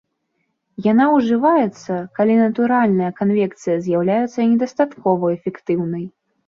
Яна ўжываецца, калі натуральная канвекцыя з'яўляецца недастаткова эфектыўнай.